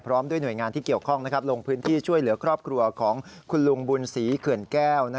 ด้วยหน่วยงานที่เกี่ยวข้องลงพื้นที่ช่วยเหลือครอบครัวของคุณลุงบุญศรีเขื่อนแก้ว